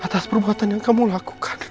atas perbuatan yang kamu lakukan